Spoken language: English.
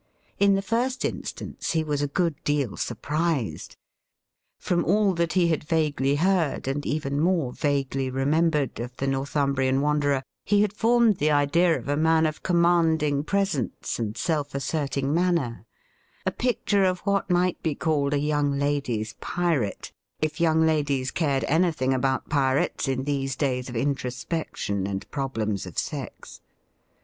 In the first instance, he was a good deal surprised. From all that he had vaguely heard, and even more vaguely remembered, of the Northumbrian wanderer, he had formed the idea of a man of commanding presence and self asserting manner — a picture of what might be called a young lady's pirate, if young ladies cared anything about pirates in these days of introspection and problems of sex.